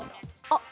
あっ！